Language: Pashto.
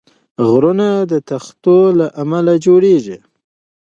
غرونه د تختو له امله جوړېږي.